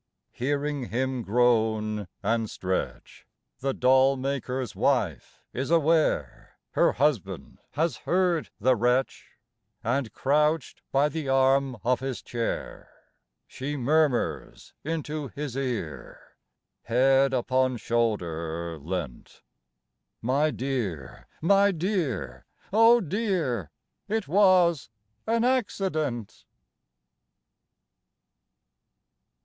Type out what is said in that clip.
Hearing him groan and stretch The doll maker's wife is aware Her husband has heard the wretch, And crouched by the arm of his chair, She murmurs into his ear, Head upon shoulder leant: 'My dear, my dear, oh dear, It was an accident.'